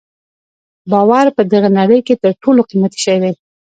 باور په دغه نړۍ کې تر ټولو قیمتي شی دی.